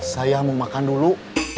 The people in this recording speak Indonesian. saya mau makan dulu